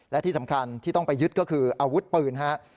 และที่สำคัญที่ต้องไปยึดก็คืออาวุธปืนฮะ